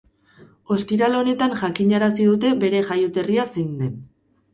Ostiral honetan jakinarazi dute bere jaioterria zein den.